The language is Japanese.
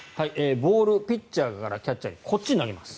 ボールピッチャーからキャッチャーにこっちに投げます。